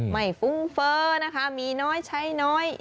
ฟุ้งเฟ้อนะคะมีน้อยใช้น้อย